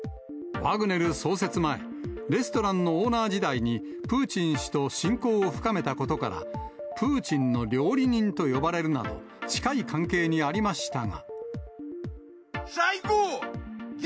ワグネル創設前、レストランのオーナー時代に、プーチン氏と親交を深めたことから、プーチンの料理人と呼ばれるなど、近い関係にありましたが。